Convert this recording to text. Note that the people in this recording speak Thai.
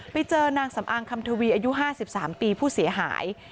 ไปเจอนางสำอางคำทวีอายุ๕๓ปีผู้เสียหาย